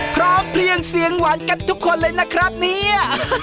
พร้อมเพลียงเสียงหวานกันทุกคนเลยนะครับเนี่ย